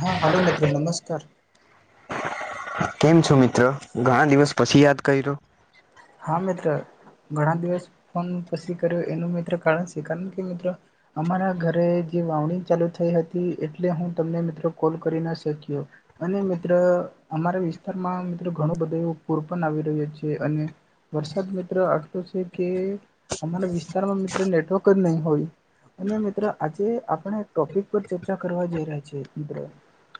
હા હલો મિત્રો નમસ્કાર. કેમ છો મિત્રો ઘણા દિવસ પછી યાદ કયરો. હા મિત્ર. ઘણા દિવસ પણ પછી કર્યો એનું મિત્ર કારણ છે કારણ કે મિત્ર. અમારા ઘરે જે વાવણી ચાલુ થઈ હતી એટલે હું તમને મિત્રો કોલ કરી ના શક્યો. અને મિત્ર અમારા વિસ્તારમાં મિત્ર. ઘણું બધું પૂર પણ આવી રહ્યો છે અને વરસાદ મિત્ર આટલો છે કે. અમારા વિસ્તારમાં મિત્ર નેટવર્ક જ નહીં હોય. અને મિત્રો આજે આપણે ટોપિક પર ચર્ચા કરવા જઈ રહ્યા છે મિત્ર.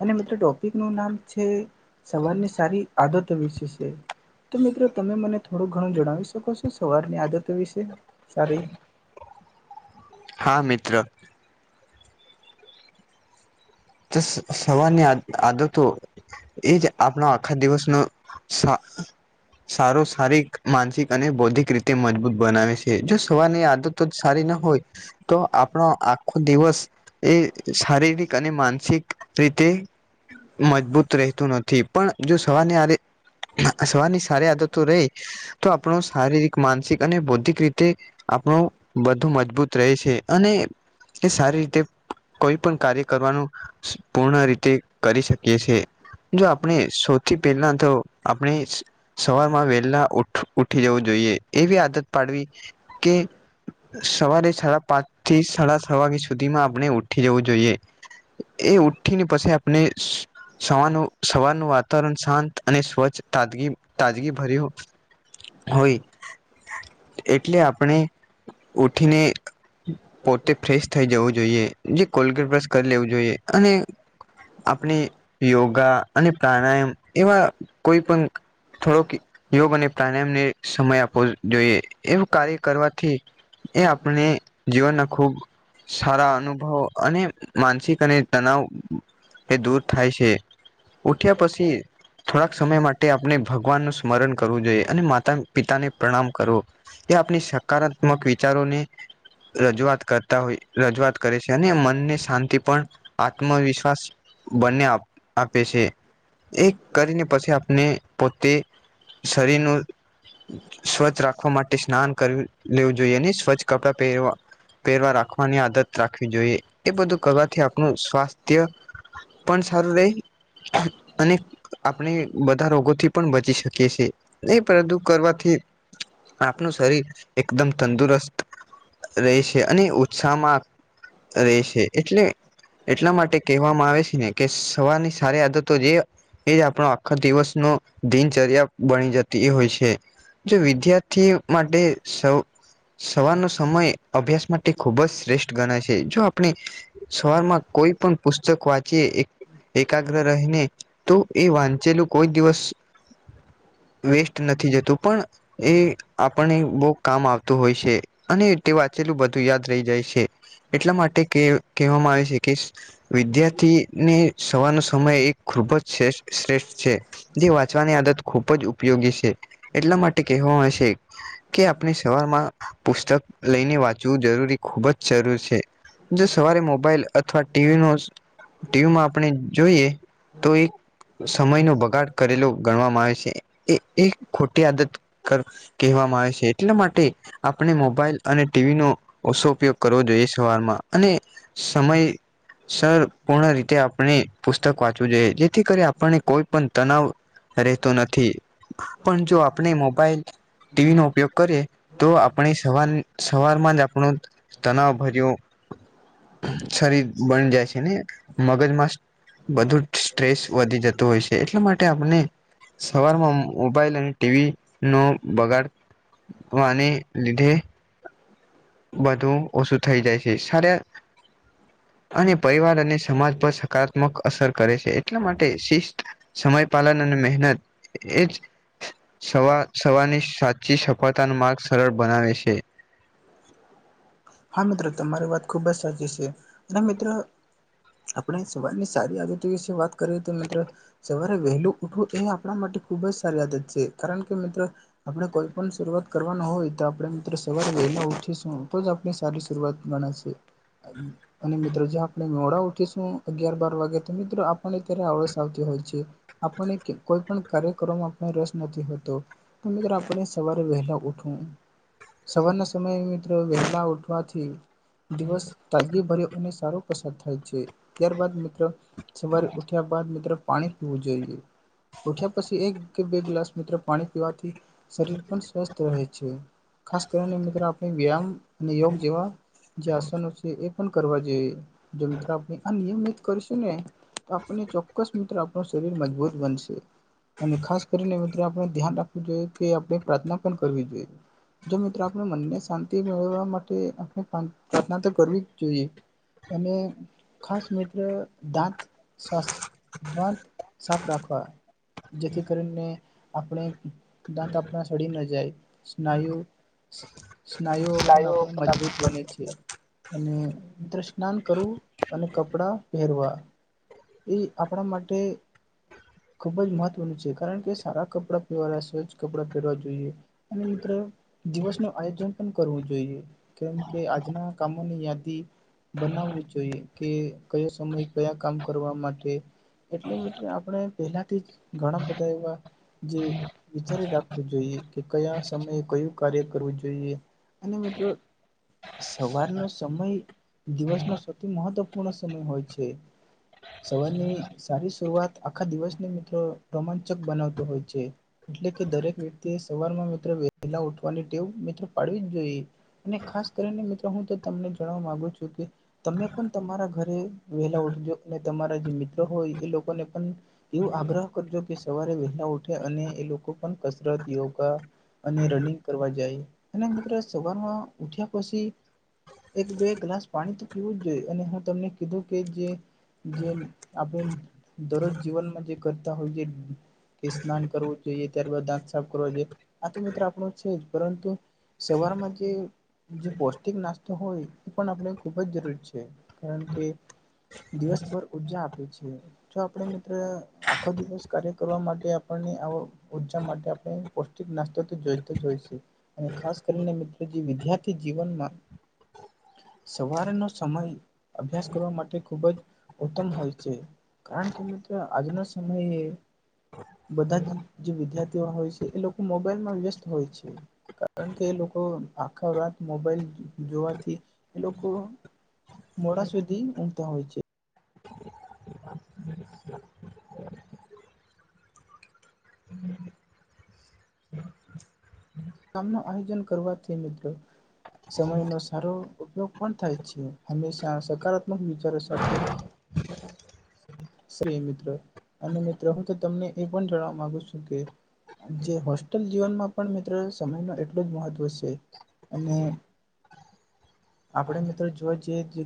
અને મિત્રો ટોપિક નું નામ છે સવારની સારી આદતો વિશે છે. તો મિત્રો તમે મને થોડું ઘણું જણાવી શકો છો સવારની આદતો વિશે સારી. હા મિત્ર. ત [inaudible] સવાની આ આદતો. એજ આપણો આખા દિવસ નો સારો શારીિક માનસિક. અને બૌદ્ધિક રીતે મજબૂત બનાવે છે જો સવારની આદત જ સારી ના હોય. તો આપણો આખો દિવસ એ શારીરિક અને માન. સીક રીતે મજબૂત રહેતું નથી પણ. જો સવારની [unintelligible] સવારની સારી આદતો રહી. તો આપણો શારીરિક માનસિક અને બૌદ્ધિક રીતે. આપણું બધું મજબૂત રહે છે અને. એ સારી રીતે કોઈ પણ કાર્ય કરવાનું. પૂર્ણ રીતે કરી શકીએ છે. જો આપણે સૌથી પહેલા તો આપણે. સવાર માં વેહેલા ઉ ઉઠી જવું જોઈએ એવી આદત પાડવી. કે હમ સવારે સાડા પાંચ થી સાડા છ વાગ્યા સુધીમાં આપણે ઉઠી જવું જોઈએ એ ઉઠી ને પછી આપને સવારનું સવારનું વાત તરણ શાંત અને સ્વચ્છ તાજગી તાજગી ભર્યું હોય. એટલે આપણે ઉઠીને પોતે ફ્રેશ થઈ જવું જોઈએ જે કોલ્ગેટ બ્રસ કરી લેવું જોઈએ અને આપણે યોગા અને પ્રાણાયામ એવા કોઈ પણ થોડોક યોગ અને પ્રાણાયામને સમય આપવો જોઈએ એવું કાર્ય કરવાથી એ આપણે જીવનના ખુબ સારા અનુભવો અને માનસિક અને તનાવ એ દૂર થાય છે ઉઠ્યા પછી થોડાક સમય માટે આપણે ભગવાનનું સ્મરણ કરવું જોઈએ અને માતા પિતાને પ્રણામ કરવો એ આપણી સકારાત્મક વિચારોને રજૂઆત કરતા હોય રજૂઆત કરે છે અને મનને શાંતિ પણ આત્મવિશ્વાસ બંને આપ આપે છે. એ કરીને પછી આપને પોતે શરીરનું સ્વચ્છ રાખવા માટે સ્નાન કર લેવું જોઈએ સ્વચ્છ કપડાં પહેરવા પહેરવા રાખવાની આદત રાખવી જોઈએ એ બધું કરવાથી આપણું સ્વાસ્થ્ય પણ સારું રહે હજ અને આપણે બધા રોગોથી પણ બચી શકીએ છીએ એ પ્રદુ કરવાથી આપનું શરીર એકદમ તંદુરસ્ત રહે છે અને ઉત્સાહમાં ર રહે છે એટલે એટલા માટે કહેવામાં આવે છે ને કે સવારની સારી આદતો જે એ જ આપણો આખા દિવસનો દિનચર્યા બની જતી એ હોય છે. જો વિદ્યાર્થી માટે સૌ સવારનો સમય અભ્યાસ માટે ખૂબ જ શ્રેષ્ઠ ગણાય છે જો આપણે શર માં કોઈ પણ પુસ્તક વાંચીએ એકાગ્ર રહીને તો એ વાંચેલું કોઈ દિવસ વેસ્ટ નથી જતું પણ એ આપણને બહુ કામ આવતું હોય છે. અને તે વાંચેલું બધું યાદ રહી જાય છે એટલા માટે કહેવામાં આવે છે કે વિદ્યાર્થીને સવાનો સમય એ ખૂબ જઠ શ્રેષ્ઠ છે. જે વાંચવાની આદત ખૂબ જ ઉપયોગી છે એટલા માટે કહે હશે કે આપણે સવારમાં પુસ્તક લઈને વાંચવું જરૂરી ખુબ જ જરૂર છે. જો સવારે મોબાઈલ અથવા ટીવી ન ટીવીમાં આપણે જોઈએ તો એક સમય ન બગાડ કરેલો ગણવામાં આવે છે એ એક ખોટી આદત કર કહેવામાં આવે છે એટલા માટે આપણે મોબાઈલ અને ટીવી નો ઓછો ઉપયોગ કરવો જોઈએ સવારમાં અને સમય સરપૂર્ણ રીતે આપણે પુસ્તક વાંચવું જોઈએ જેથી કરી આપણને કોઈ પણ તનાવ રહેતો નથી પણ જો આપણે મોબાઈલ ટીવી નો ઉપયોગ કરીએ તો આપણે સવાર સવારમાં જ આપણું તનાવ ભર્યું શરીર બની જાય છે ને મગજમાંસ બધું સ્ટ્રેસ વધી જતું હોય છે એટલા માટે આપને સવારમાં મોબાઈલ અને ટીવી નો બગાડ વાને લીધે બધું ઓછું થઈ જાય છે સાર અને પરિવાર અને સમાજ પર સકારાત્મક અસર કરે છે એટલા માટે શિસ્ત સમય પાલન અને મહેનત એજ સવા સવાની સાચી સફળતાનો માર્ગ સરળ બનાવે છે. હા મિત્રો તમારી વાત ખુબ જ સાચી છે અને મિત્રો આપણે સવારની સારી આદતી વિશે વાત કરીએ તો મિત્ર સવારે વહેલું ઉઠવું એ આપણા માટે ખુબ જ સારી આદત છે કારણ કે મિત્ર આપણે કોઈ પણ શરૂઆત કરવાના હોય તો આપડે મિત્રો સવાર વહેલા ઉઠી તો જ આપડે સારી શરૂઆત ગણાય છે અને મિત્રો જે આપણે મોડા ઉઠીશું અગિયાર બાર વાગે તો મિત્રો આપને અત્યારે આળસ આવતી હોય છે. આપને કોઈ પણ કાર્ય કરવામાં આપને રસ નથી હોતો. તો મિત્રો આપણે સવારે વહેલા ઉઠવું સવારના સમયે મિત્ર વહેલા ઉઠવાથી દિવસ તાજગી ભર્યો અને સારો પસાર થાય છે ત્યારબદ મિત્ર સવારે ઉઠ્યા બાદ મિત્ર પાણી પીવું જોઈએ ઉઠ્યા પસી એક કે બે ગ્લાસ મિત્ર પાણી પીવાથી શરીર પણ સ્વસ્થ રહે છે ખાસ કરીને મિત્રો આપણે વ્યાયામ ને યોગ જેવા જે આસનો છે એ પણ કરવા જોઈએ. જો મિત્રો આપણે આ નિયમિત કરીશું ને તો આપને ચોક્કસ મિત્ર આપણું શરીર મજબૂત બનશે અને ખાસ કરીને મિત્ર આપણે ધ્યાન રાખવું જોઈએ કે આપણે પ્રાર્થના પણ કરવી જોઈએ. જો મિત્રો આપણે મનને શાંતિ મેળવવા માટે પ્રાર્થના તો કરવી જ જોઈએ. અને ખાસ મિત્ર દાંત [unintelligible] સાફ રાખવા જેથી કરીને આપણે દાંત આપણા સડી ના જાય સ્નાયુ સ્નાયુઓ પણ આપણે મજબૂત બને છે. અને [unintelligible] સ્નાન કરવું અને કપડા પહેરવા. એ આપણા માટે ખૂબ જ મહત્વનું છે કારણ કે સારા કપડાં પહેવાલા સ્વચ્છ કપડાં પહેરવા જોઈએ. અને મિત્રો દિવસ નું આયોજન પણ કરવું જોઈએ. કેમ કે આજના કામોની યાદી બનાવવું જોઈએ કે કયો સમય કયા કામ કરવા માટે એટલે મિત આપણે પેલાથી ઘણા બધા એવા જે વિચારી રાખવું જોઈએ કે કયા સમયે કયું કાર્ય કરવું જોઈએ. એ મિત્ર સવારનો સમય દિવસનો સૌથી મહત્વપૂર્ણ સમય હોય છે. સવારની સારી શરૂઆત આખા દિવસને મિત્રો રોમાંચક બનાવતો હોય છે. એટલે કે દરેક વ્યક્તિ એ સવાર માં મિત્રો વહેલા ઉઠવાની ટેવ મિત્ર પાડવી જોઈએ અને ખાસ કરીને મિત્રો હું તો તમને જણવા માંગુ છું કે તમે પણ તમારા ઘરે વહેલા ઉઠજો અને તમારા જે મિત્ર હોય એ લોકોને પણ એવું આગ્રહ કરજો કે સવારે વહેલા ઉઠે અને એ લોકો પણ કસરત યોગા અને રનિંગ કરવા જાય અને મિત્રો સવારમાં ઉઠ્યા પસી એક બે ગ્લાસ પાણી તો પીવું જ જોઈએ અને હું તમને કીધું કે જે જે આપણે દરરોજ જીવનમાં જે કરતા હોય તે કે સ્નાન કરવું જોઈએ ત્યારબાદ દાંત સાફ કરવા જોઈએ આ તો મિત્ર આપણો છે જ પરંતુ તેવારો માજે જે પૌષ્ટિક નાસ્તો હોય એ પણ આપણે ખુબ જ જરૂરી છે કારણ કે દિવસભર ઉર્જા આપે છે. જો આપણે મિત્રો આખો દિવસ કાર્ય કરવા માટે આપણને આવો ઉર્જા માટે આપણે પૌષ્ટિક નાસ્તો જોઈતા જ હોય છે અને ખાસ કરીને મિત્રો જે વિદ્યાર્થી જીવનમાં સવારનો સમય અભ્યાસ કરવા માટે ખૂબ જ ઉત્તમ હોય છે. કારણ કેમ મિત્ર આજના સમયે બધા જ જે વિદ્યાર્થીઓ હોય છે એ લોકો મોબાઈલમાં વ્યસ્ત હોય છે કારણ કે કે લોકો આખા રાત મોબાઈલ જોવાથી એ લોકો મોડા સુધી ઊમતા હોય છે. કામનું આયોજન કરવાથી મિત્રો સમયનો સારો ઉપયોગ પણ થાય છે. હંમેશા સકારાત્મક વિચારો સાથે સ્રી મિત્રો અને મિત્ર હું તો તમને એ પણ જાણવા માગુ છું કે જે હોસ્ટેલ જીવનમાં પણ મિત્રો સમય ન એટલો જ મહત્વ છે. અને આપણે મિત્રો જોવા જએ જે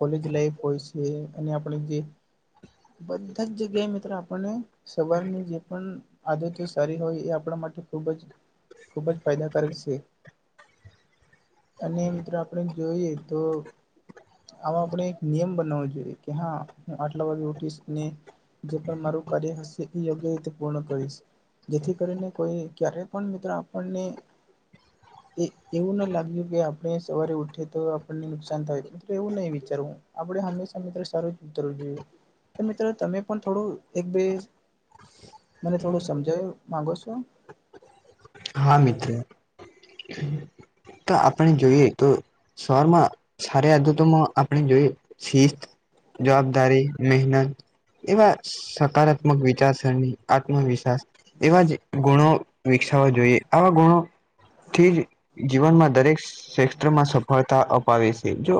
કોલેજ લાઈફ હોય છે અને આપણે જે બધા જ જગ્યાએ મિત્રો આપણને સવારની જે પણ આદતો સારી હોય એ આપણા માટે ખૂબ જ ખૂબ જ ફાયદાકારક છે. અને મિત્રો આપણે જોઈએ તો આ આપડણે એક નિયમ બનાવવો જોઈએ કે હા હું આટલા વાગે ઉઠીશ ને જે પણ મારું કાર્ય હશે એ યોગ્ય રીતે પૂર્ણ કરીશ. જેથી કરીને કોઈ ક્યારેય પણ મિત્ર આપણને એ એવું ના લાગ્યું કે આપણે સવારે ઉઠી તો આપણને નુકસાન થાય એવું નહી વિચારું હું. આપણે હંમેશા મિત્રો સારું જ વિચારવું જોઈએ. તો મિત્રો તમે પણ થોડું એક બે મને થોડું સમજાવ માગો છો? હા મિત્ર. તો આપણે જોઈએ તો શરમાં સાર આદુ તોમાં આપ જોઈ શિસ્ત, જવાબદારી, મહેનત એવા સકારાત્મક વિચારસરણી આત્મવિશ્વાસ એવા જ ગુણો વિકસાવવા જોઈએ આવા ગુણો હમ. જીવનમાં દરેક ક્ષેત્રમાં સફળતા અપાવે છે. જો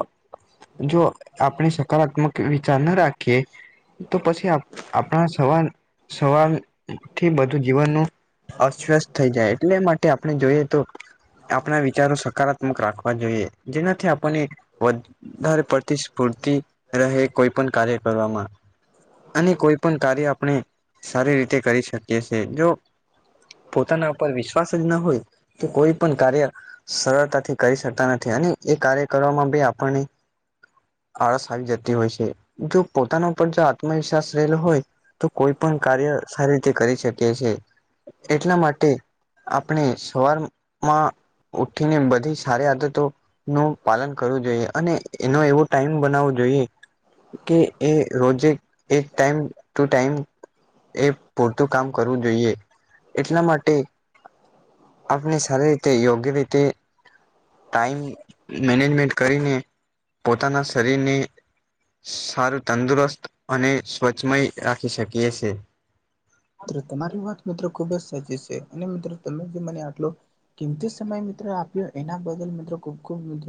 જો આપણી સકારાત્મક વિચાર ના રાખીએ તો પછી આપણા સવાલ સવાલ થી બધું જીવનનું અસ્વસ્થ થઈ જાય એટલે માટે આપણે જોઈએ તો આપણા વિચારો સકારાત્મક રાખવા જોઈએ જેનાથી આપણને પ્રતિ સ્ફૂર્તિ રહે કોઈ પણ કાર્ય કરવામાં. અને કોઈ પણ કાર્ય આપણે સારી રીતે કરી શકીએ છે જો પોતાના ઉપર વિશ્વાસ જ ના હોય તો કોઈ પણ કાર્ય સરળતાથી કરી શકતા નથી અને એ કાર્ય કરવામાં બી આપણને આળસ આવી જતી હોય છે જો પોતાના ઉપર જો આત્મવિશ્વાસ રહેલો હોય તો કોઈ પણ કાર્ય સારી રીતે કરી શકે છે. એટલા માટે આપણે સવાર માં ઉઠીને બધી સારી આ તો નું પાલન કરવું જોઈએ અને એનો એવો ટાઈમ બનાવવો જોઈએ કે એ રોજે એક ટાઈમ ટુ ટાઈમ એ પૂરતું કામ કરવું જોઈએ એટલા માટે હા. આપણે સારી રીતે યોગ્ય રીતે ટાઈમ મેનેજમેન્ટ કરીને પોતાના શરીરને સારું તંદુરસ્ત અને સ્વચ્છમય રાખી શકીએ છીએ. તમારી વાત મિત્રો ખુબ જ સાચી છે અને મિત્રો તમે જે મને આટલો કિમતી સમય મિત્રો આપ્યો એના બદલ મિત્રો ખુબ-ખુબ મિત્ર